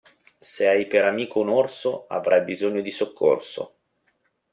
Se hai per amico un orso, avrai bisogno di soccorso.